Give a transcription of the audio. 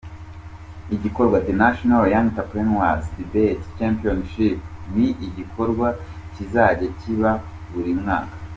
Igikorwa “The National young entrepreneur’s debate championship” ni igikorwa kizajya kiba buri mwaka.